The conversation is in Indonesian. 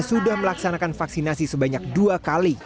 sudah melaksanakan vaksinasi sebanyak dua kali